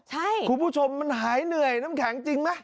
ใช่คุณผู้ชมมันหายเหนื่อยน้ำแข็งจริงไหม